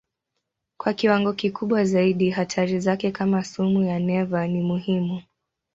Kwa viwango kikubwa zaidi hatari zake kama sumu ya neva ni muhimu.